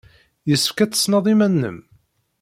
Yessefk ad tessned iman-nnem.